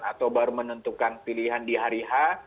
atau baru menentukan pilihan di hari h